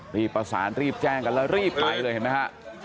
รีบประสานรีบแจ้งกันแล้วรีบไปเลยเห็นไหมฮะ